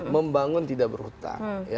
membangun tidak berhutang